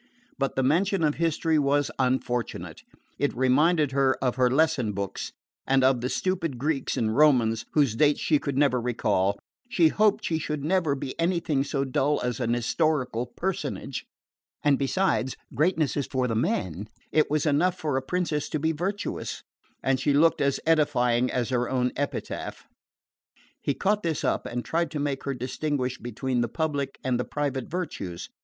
But the mention of history was unfortunate. It reminded her of her lesson books, and of the stupid Greeks and Romans, whose dates she could never recall. She hoped she should never be anything so dull as an historical personage! And besides, greatness was for the men it was enough for a princess to be virtuous. And she looked as edifying as her own epitaph. He caught this up and tried to make her distinguish between the public and the private virtues.